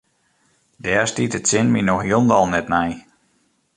Dêr stiet it sin my no hielendal net nei.